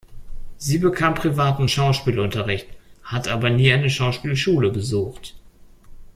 Sie bekam privaten Schauspielunterricht, hat aber nie eine Schauspielschule besucht.